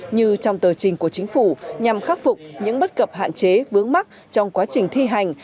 như trong tờ trình của chính phủ nhằm khắc phục những bất cập hạn chế vướng mắt trong quá trình thi hành